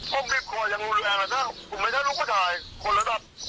ผมไม่ชอบคนลุยผมไม่ประสาทคนจริงแล้วผมคนเจ็ดผมแซ่ตังค์นะ